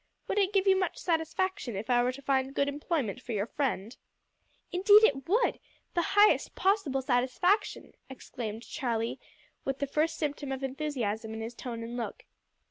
"Would it give you much satisfaction if I were to find good employment for your friend?" "Indeed it would the highest possible satisfaction," exclaimed Charlie, with the first symptom of enthusiasm in his tone and look.